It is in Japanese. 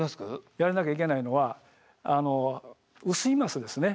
やらなきゃいけないのは雨水ますですね。